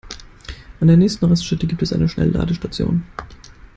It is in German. An der nächsten Raststätte gibt es eine Schnellladestation.